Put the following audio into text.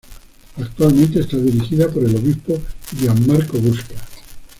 Actualmente está dirigida por el obispo Gianmarco Busca.